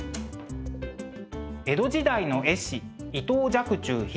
江戸時代の絵師伊藤若冲筆